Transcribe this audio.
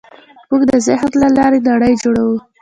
موږ د ذهن له لارې نړۍ جوړوو.